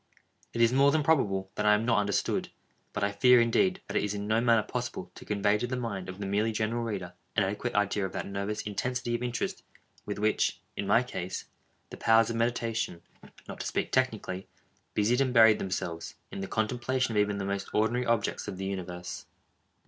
It is more than probable that I am not understood; but I fear, indeed, that it is in no manner possible to convey to the mind of the merely general reader, an adequate idea of that nervous intensity of interest with which, in my case, the powers of meditation (not to speak technically) busied and buried themselves, in the contemplation of even the most ordinary objects of the universe.